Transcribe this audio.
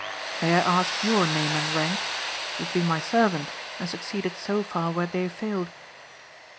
May I ask your name and rank? You have been my servant and succeeded so far where they failed?"